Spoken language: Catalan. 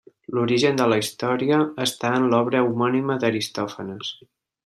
L'origen de la història està en l'obra homònima d'Aristòfanes.